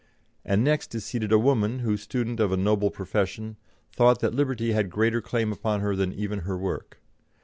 And next is seated a woman, who, student of a noble profession, thought that liberty had greater claim upon her than even her work.